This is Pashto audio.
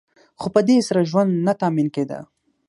خو په دې سره ژوند نه تأمین کیده.